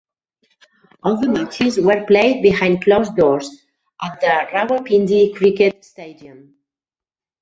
All of the matches were played behind closed doors at the Rawalpindi Cricket Stadium.